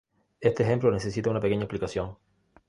Este ejemplo necesita una pequeña explicación.